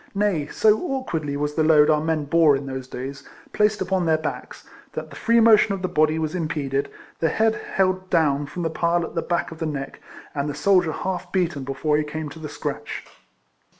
Nay, so awkwardly was the load our men bore in those days, placed upon their backs, that the free motion of the body was impeded, the head held do svn from the pile at the back of the neck, and the soldier half beaten before he came to the scratch.